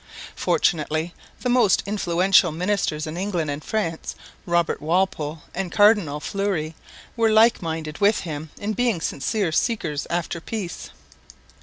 Fortunately the most influential ministers in England and France, Robert Walpole and Cardinal Fleury, were like minded with him in being sincere seekers after peace.